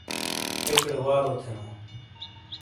ایکیڑے والو تھینا۔